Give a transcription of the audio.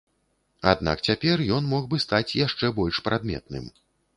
Аднак цяпер ён мог бы стаць яшчэ больш прадметным.